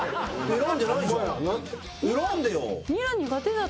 選んでよ。